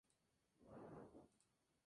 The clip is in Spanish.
Se abría la tapa del silo.